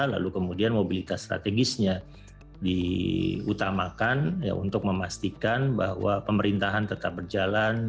lalu kemudian mobilitas strategisnya diutamakan untuk memastikan bahwa pemerintahan tetap berjalan